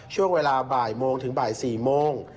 ช่วงเวลาบ่ายโมงถึงบ่าย๔โมง